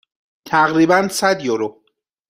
تقریبا صد یورو.